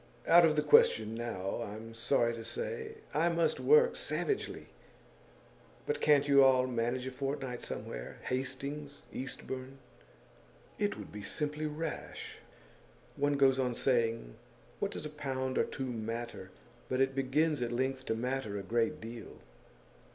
'Out of the question now, I'm sorry to say. I must work savagely. But can't you all manage a fortnight somewhere Hastings, Eastbourne?' 'It would be simply rash. One goes on saying, "What does a pound or two matter?" but it begins at length to matter a great deal.